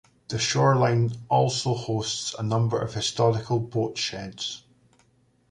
The shoreline also hosts a number of historical boat sheds.